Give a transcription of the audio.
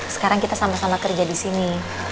sekarang kita sama sama kerja disini